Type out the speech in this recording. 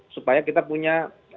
supaya kita punya